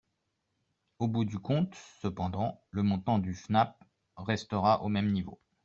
Au bout du compte, cependant, le montant du FNAP restera au même niveau.